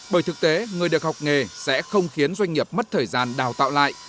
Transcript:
bởi thực tế người được học nghề sẽ không khiến doanh nghiệp mất thời gian đào tạo lại